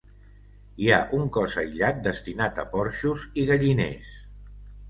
Hi ha un cos aïllat destinat a porxos i galliners.